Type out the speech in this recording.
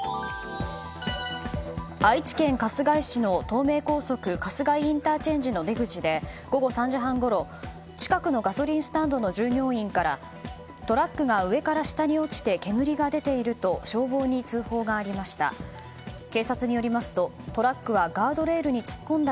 愛知県春日井市の東名高速春日井ＩＣの出口で午後３時半ごろ、近くのガソリンスタンドの従業員からトラックが上から下に落ちて煙が出ていると消防に通報がありました。